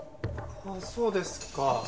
ああそうですか。